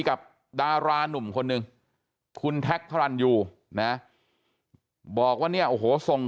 กับดารานุ่มคนหนึ่งคุณแท็กพระรันยูนะบอกว่าเนี่ยโอ้โหส่ง